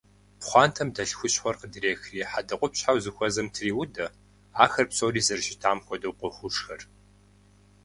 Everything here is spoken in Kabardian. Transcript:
Пхъуантэм дэлъ хущхъуэр къыдехри хьэдэкъупщхьэу зыхуэзэм треудэ. Ахэр псори зэрыщытам хуэдэу къохъужхэр.